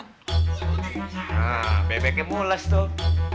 nah bebeknya mules tuh